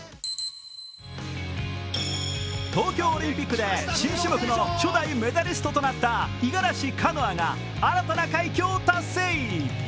東京オリンピックで新種目の初代メダリストとなった五十嵐カノアが新たな快挙を達成。